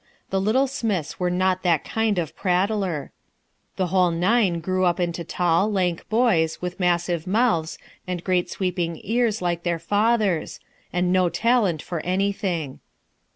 The little Smiths were not that kind of prattler. The whole nine grew up into tall, lank boys with massive mouths and great sweeping ears like their father's, and no talent for anything.